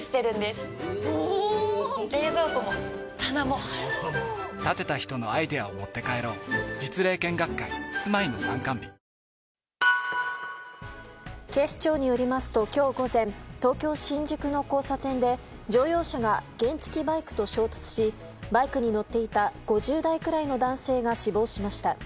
ひまわりのようにすこやかにあなたを咲かそうひまわり生命警視庁によりますと今日午前、東京・新宿の交差点で乗用車が原付きバイクと衝突しバイクに乗っていた５０代ぐらいの男性が死亡しました。